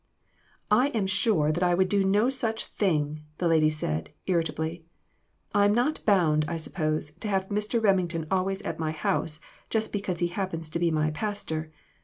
" I am not sure that I should do any such thing," the lady said, irritably. "I am not bound, I suppose, to have Mr. Remington always at my house just because he happens to be my pastor.